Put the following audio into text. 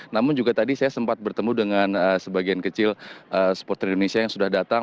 namun juga tadi saya sempat bertemu dengan sebagian kecil supporter indonesia yang sudah datang